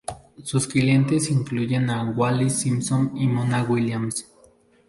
Sus clientes incluyen a Wallis Simpson y Mona Williams.